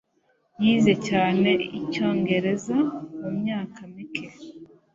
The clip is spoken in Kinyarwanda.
Yize cyane icyongereza mumyaka mike.